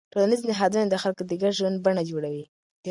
ټولنیز نهادونه د خلکو د ګډ ژوند بڼه جوړوي.